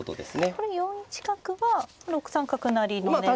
これ４一角は６三角成の狙いですか。